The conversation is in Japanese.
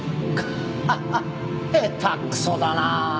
ハハハッヘタクソだなあ。